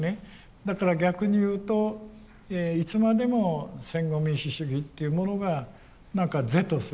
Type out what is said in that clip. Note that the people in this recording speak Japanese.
だから逆に言うといつまでも戦後民主主義っていうものが何か是とする。